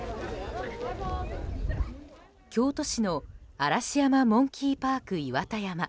京都市の嵐山モンキーパークいわたやま。